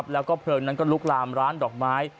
แล้วเผลอหนึ่งก็ลุกลามร้านดอกไม้